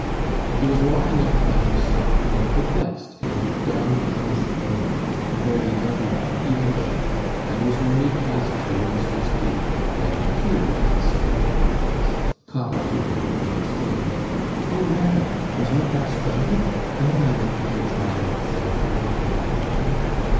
He was walking off by himself in a perplexed and downcast mood, avoiding every one, even Don, and was nearly past the minister's gate when Hughie, excited and breathless, caught up to him and exclaimed: "Oh, Ranald, was not that splendid? Man, I like to hear John 'Aleck' sing 'Crown him' that way.